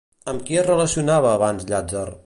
Amb qui es relacionava abans Llàtzer?